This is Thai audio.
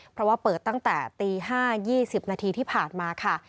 เพราะว่าเปิดตั้งแต่ตี๕๒๐นาทีที่ผ่านมาค่ะ